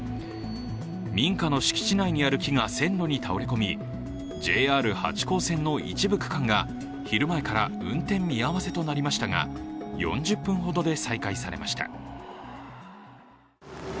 民家の敷地内にある木が線路に倒れ込み、ＪＲ八高線の一部区間が昼前から運転見合わせとなりましたが４０分ほどで再開されました。